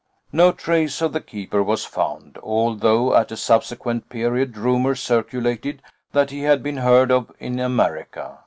"No trace of the keeper was found, although at a subsequent period rumours circulated that he had been heard of in America.